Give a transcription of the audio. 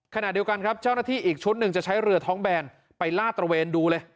ขณะเดียวกันครับเจ้าหน้าที่อีกชุดหนึ่งจะใช้เรือท้องแบนไปลาดตระเวนดูเลย